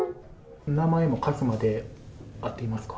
名前もカズマで合っていますか？